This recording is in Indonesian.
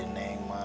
ih si neng ma